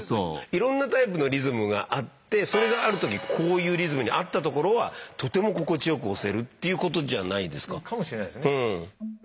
いろんなタイプのリズムがあってそれがある時こういうリズムに合ったところはとても心地よく押せるっていうことじゃないですか？かもしれないですね。